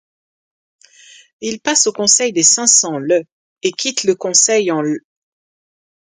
Il passe au Conseil des Cinq-Cents le et quitte le Conseil en l'.